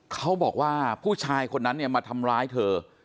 เขาบอกว่าผู้ชายคนนั้นเนี่ยมาทำร้ายเธอ